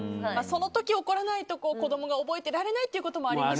その時、怒らないと子供が覚えてられないこともあると。